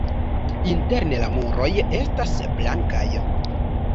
Interne la muroj estas blankaj.